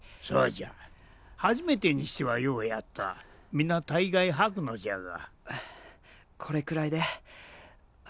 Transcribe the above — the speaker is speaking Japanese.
そうじゃ初めてにしてはようやった皆大概吐くのじゃがこれくらいで？